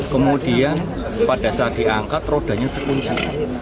kemudian pada saat diangkat rodanya terkunci